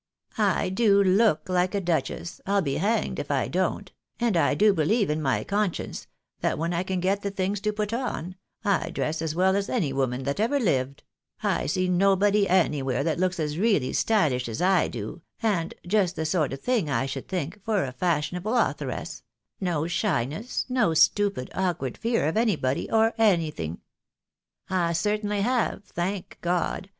I do look like a duchess, I'll be hanged if I don't — and I do beheve in my conscience, that when I can get the things to put on, I dress as well as any woman that ever lived — I see nobody anywhere that looks as really styhsh as I do, and just the sort of thing, I should think, for a fashionable authoress — no shyness, no stupid, awkward fear of anybody or anything. I certainly have, thank God